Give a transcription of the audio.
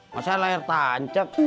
masa lahir tancak